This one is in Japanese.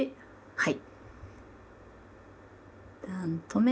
はい。